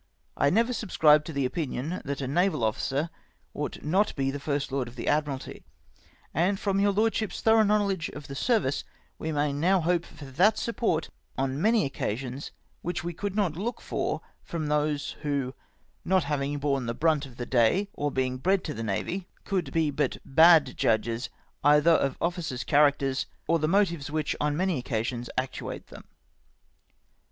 I never sub scribed to the opinion that a naval officer ought not to be Plrst Lord of the Admiralty, and from your Lordship's tliorough knowledge of the service, Ave may now hope for that support on many occasions which we could not look for from those who — not having borne the brunt of the day, or being bred to the Navy — could be but bad judges either of officers' characters, or the motives which on many occasions actuate them.